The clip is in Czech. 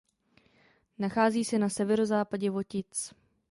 Nachází se na severozápadě Votic.